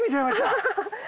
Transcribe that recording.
アハハハ。